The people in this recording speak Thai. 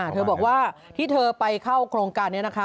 เธอบอกว่าที่เธอไปเข้าโครงการนี้นะคะ